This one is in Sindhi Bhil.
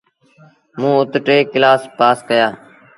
موݩ اُت ٽي ڪلآس پآس ڪيآ۔